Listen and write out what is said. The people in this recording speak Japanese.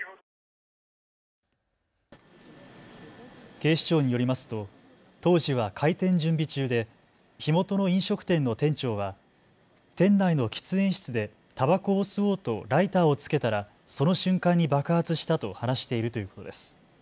警視庁によりますと当時は開店準備中で火元の飲食店の店長は店内の喫煙室でたばこを吸おうとライターをつけたらその瞬間に爆発したと話しているということです。